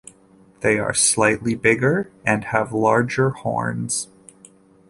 They are slightly bigger and have larger horns.